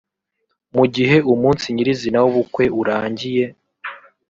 Mu gihe umunsi nyir’izina w’ubukwe urangiye